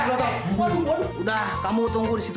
berarti kau harus menjarakan diriku